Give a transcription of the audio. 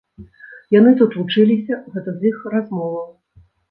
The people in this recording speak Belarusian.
Яны тут вучыліся, гэта з іх размоваў.